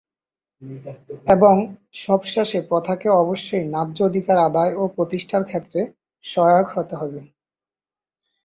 এবং সবশেষে প্রথাকে অবশ্যই ন্যায্য অধিকার আদায় ও প্রতিষ্ঠার ক্ষেত্রে সহায়ক হতে হবে।